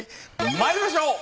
まいりましょう。